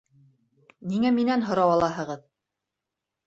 Ниңә минән һорау алаһығыҙ?